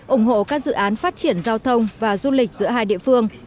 ủng hộ các dự án phát triển giao thông và du lịch giữa hai địa phương